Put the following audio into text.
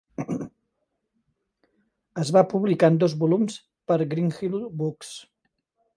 Es va publicar en dos volums per Greenhill Books.